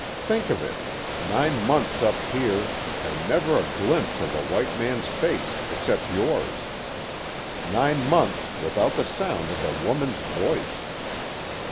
Think of it nine months up here, and never a glimpse of a white man's face except yours. Nine months without the sound of a woman's voice.